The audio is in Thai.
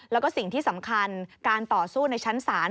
แล้วก็สิ่งที่สำคัญการต่อสู้ในชั้นศาล